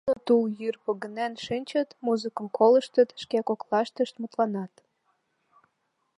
Нуно тул йыр погынен шинчыт, музыкым колыштыт, шке коклаштышт мутланат.